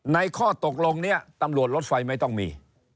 ข้อตกลงนี้ตำรวจรถไฟไม่ต้องมี